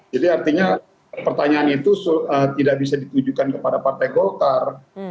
jadi artinya pertanyaan itu tidak bisa ditujukan kepada partai golkar